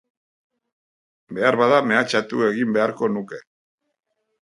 Beharbada mehatxatu egin beharko nuke.